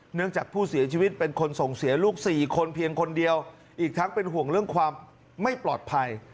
เนื่องจากผู้เสียชีวิตเป็นคนส่งเสียลูก๔คนเพียงคนเดียวอีกทั้งเป็นห่วงเรื่องความไม่ปลอดภัย